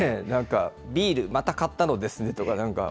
なんか、ビール、また買ったのですねとか。